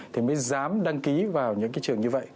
thì mới dám đăng ký vào những cái trường như vậy